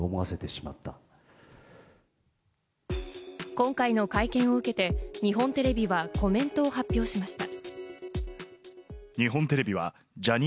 今回の会見を受けて、日本テレビはコメントを発表しました。